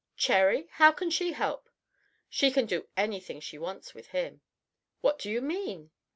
"Cherry! How can she help?" "She can do anything she wants with him." "What do you mean?"